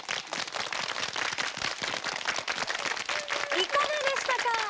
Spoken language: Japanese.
いかがでしたか？